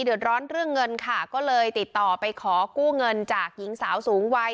เดือดร้อนเรื่องเงินค่ะก็เลยติดต่อไปขอกู้เงินจากหญิงสาวสูงวัย